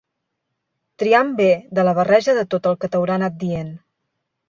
Triant bé de la barreja de tot el que t'haurà anat dient